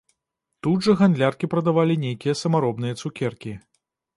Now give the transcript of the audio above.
Тут жа гандляркі прадавалі нейкія самаробныя цукеркі.